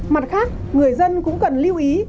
mặt khác người dân cũng cần lưu ý